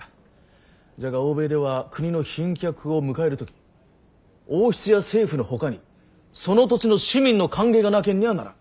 じゃが欧米では国の賓客を迎える時王室や政府のほかにその土地の市民の歓迎がなけんにゃあならん。